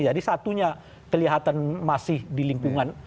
jadi satunya kelihatan masih di lingkungan